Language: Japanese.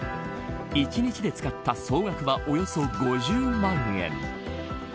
一日で使った総額はおよそ５０万円。